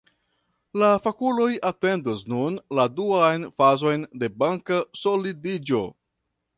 La fakuloj atendas nun la duan fazon de banka solidiĝo.